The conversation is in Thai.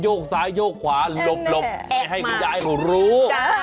โยกซ้ายโยกขวาหลบให้มันได้รู้